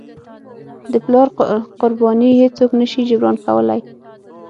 د پلار قرباني هیڅوک نه شي جبران کولی.